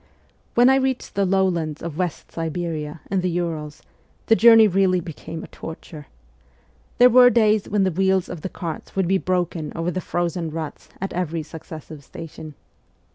' When I reached the lowlands of West Siberia and the Urals the journey really became a torture. There were days when the wheels of the carts would be broken over the frozen ruts at every successive station.